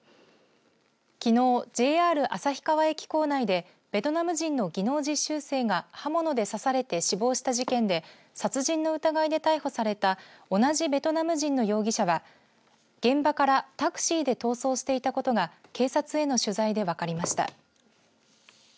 きのう、ＪＲ旭川駅構内でベトナム人の技能実習生が刃物で刺されて死亡した事件で殺人の疑いで逮捕された同じベトナム人の容疑者は現場からタクシーで逃走していたことが警察への取材で分かりました。